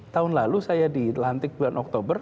tahun lalu saya dilantik bulan oktober